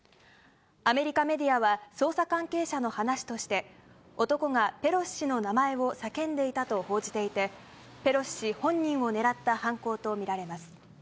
アメリカメディアは、捜査関係者の話として、男がペロシ氏の名前を叫んでいたと報じていて、ペロシ氏本人を狙った犯行と見られます。